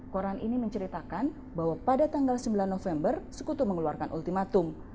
koran ini menceritakan bahwa pada tanggal sembilan november sekutu mengeluarkan ultimatum